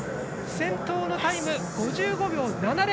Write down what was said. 先頭のタイムは５５秒７０。